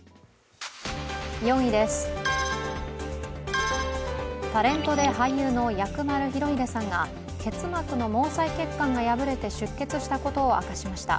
４位です、タレントで俳優の薬丸裕英さんが結膜の毛細血管が破れて出血したことを明かしました。